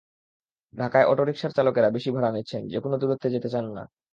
ঢাকায় অটোরিকশার চালকেরা বেশি ভাড়া নিচ্ছেন, যেকোনো দূরত্বে যেতে চান না।